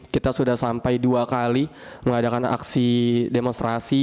kita sudah sampai dua kali mengadakan aksi demonstrasi